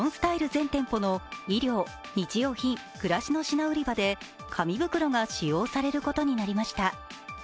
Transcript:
全店舗の衣料、日用品、暮らしの品売り場で紙袋が使用されることになりました。